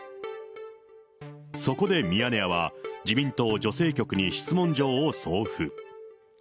そこでミヤネ屋は、自民党女性局に質問状を送付。